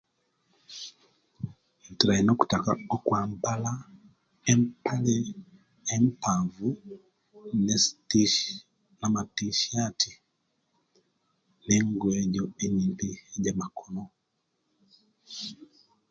Ntera ino okutaka okwambala empale empavu ne tisi namatisiati engoye ejo enyimpi ejamakono